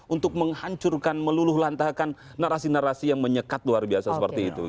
untuk menghancurkan meluluh lantakan narasi narasi yang menyekat luar biasa seperti itu